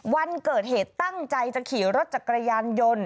วันเกิดเหตุตั้งใจจะขี่รถจักรยานยนต์